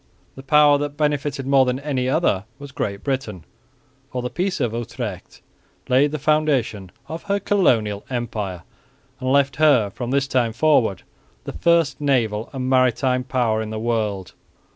The power that benefited more than any other was Great Britain, for the Peace of Utrecht laid the foundation of her colonial empire and left her, from this time forward, the first naval and maritime power in the world.